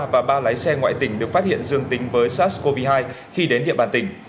và ba lái xe ngoại tỉnh được phát hiện dương tính với sars cov hai khi đến địa bàn tỉnh